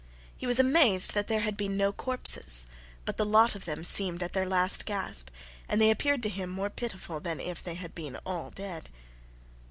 He was amazed that there had been no corpses; but the lot of them seemed at their last gasp, and they appeared to him more pitiful than if they had been all dead.